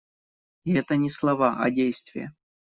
И это не слова, а действия.